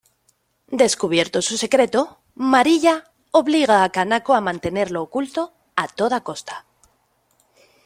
Descubierto su secreto, Mariya obliga a Kanako a mantenerlo oculto a toda costa.